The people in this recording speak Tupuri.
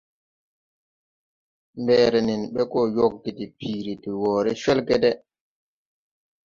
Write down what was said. Mbɛɛrɛ nen ɓɛ gɔ yɔgge de piiri de wɔɔrɛ cwɛlgɛdɛ.